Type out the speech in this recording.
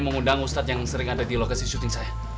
mengundang ustadz yang sering ada di lokasi syuting saya